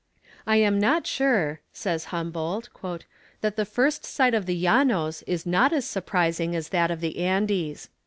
"I am not sure," says Humboldt, "that the first sight of the llanos is not as surprising as that of the Andes."